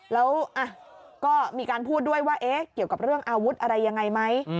แล้วก็มีการพูดด้วยว่าเกี่ยวกับเรื่องอาวุธอะไรยังไงไหม